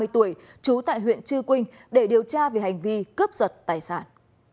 ba mươi tuổi trú tại huyện chư quynh để điều tra về hành vi cướp giật tài sản